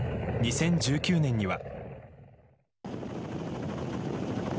２０１９年には。